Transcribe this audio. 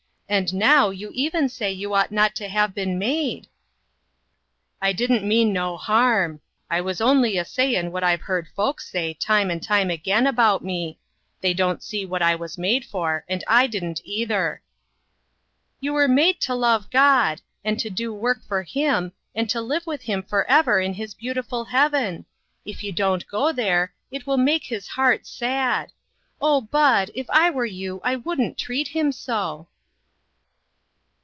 And now, you even say you ought not to have been made !"" I didn't mean no harm ! I was only a sayin' what I've heard folks say time and time again about me ; they didn't see what I was made for, and I didn't either." " You were made to love God, and to do work for him, and to live with him forever in his beautiful heaven. If you don't go there, it will make his heart sad. Oh, Bud, if I were you, I wouldn't treat him so